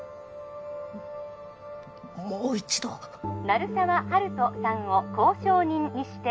☎鳴沢温人さんを交渉人にして